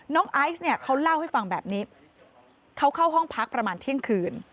ไอซ์เนี่ยเขาเล่าให้ฟังแบบนี้เขาเข้าห้องพักประมาณเที่ยงคืน